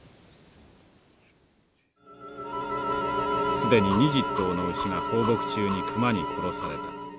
既に２０頭の牛が放牧中にクマに殺された。